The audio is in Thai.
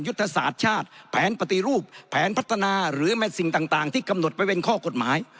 ยุทธศาสตร์ชาติแผนปฏิรูปแผนพัฒนาหรือแม้สิ่งต่างที่กำหนดไว้เป็นข้อกฎหมาย